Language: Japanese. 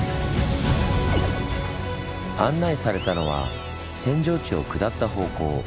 案内されたのは扇状地を下った方向。